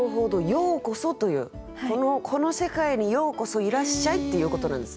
「ようこそ」という「この世界にようこそいらっしゃい」っていうことなんですね。